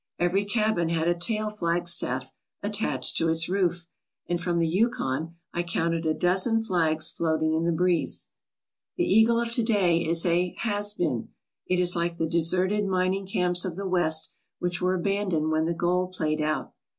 Every cabin had a tall flagstaff attached to its roof, and from the Yukon I counted a dozen flags floating in the breeze. The Eagle of to day is a "has been/ 7 It is like the deserted mining camps of the West which were abandoned when the gold played out.